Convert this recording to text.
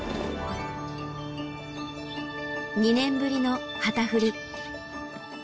２年ぶりの旗振り。